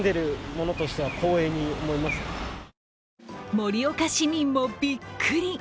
盛岡市民もびっくり。